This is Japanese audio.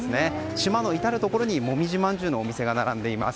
島の至るところにもみじまんじゅうのお店が並びます。